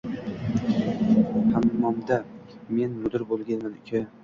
Hammomda… Men mudir bo’lganman, uka.